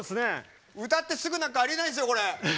歌ってすぐなんかあり得ないんですよ。